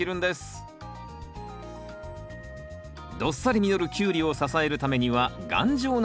どっさり実るキュウリを支えるためには頑丈なスクリーンが必要です。